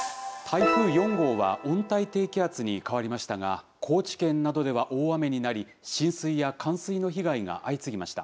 台風４号は温帯低気圧に変わりましたが、高知県などでは大雨になり、浸水や冠水の被害が相次ぎま